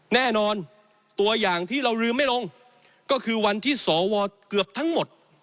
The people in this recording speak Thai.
แน่นอนตัวอย่างที่เราลืมไม่ลงก็คือวันที่สวเกือบทั้งหมด